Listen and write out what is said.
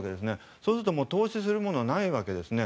そうすると投資するものがないわけですね。